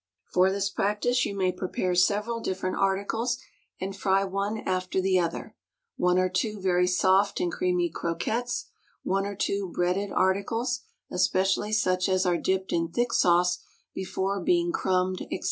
For this practice you may prepare several different articles and fry one after the other one or two very soft and creamy croquettes, one or two breaded articles, especially such as are dipped in thick sauce before being crumbed, etc.